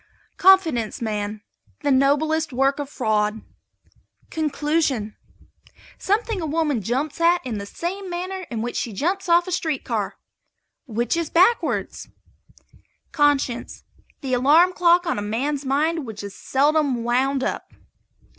CONFIDENCE MAN. The noblest work of fraud. CONCLUSION. Something a woman jumps at in the same manner in which she jumps off a street car which is backwards. CONSCIENCE. The alarm clock on a man's mind which is seldom wound up.